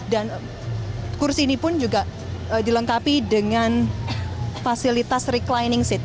dan kursi ini pun juga dilengkapi dengan fasilitas reclining seat